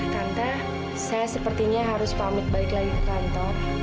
tante saya sepertinya harus pamit balik lagi ke kantor